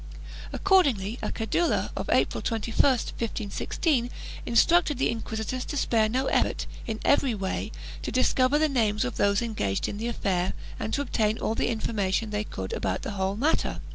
Accordingly a cedula of April 21, 1516, instructed the inquisitors to spare no effort, in every way, to discover the names of those engaged in the affair and to obtain all the information they could about the whole matter.